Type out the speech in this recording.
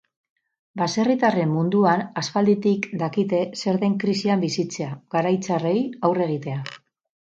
Baserritarren munduan aspalditik dakite zer den krisian bizitzea, garai txarrei aurre egitea.